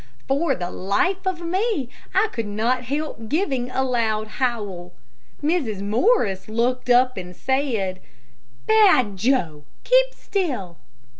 For the life of me I could not help giving a loud howl. Mrs. Morris looked up and said, "Bad Joe, keep still."